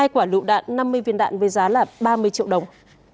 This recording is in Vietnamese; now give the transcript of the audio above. hai quả lựu đạn năm mươi viên đạn với giá là ba mươi triệu đồng